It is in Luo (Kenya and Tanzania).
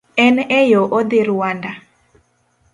En e yoo odhi Rwanda.